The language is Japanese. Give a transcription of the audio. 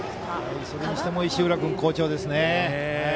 それにしても石浦君、好調ですね。